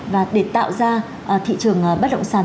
và để tạo ra thị trường bất động sản